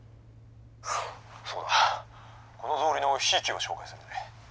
「そうだこの草履のひいきを紹介させてくれ。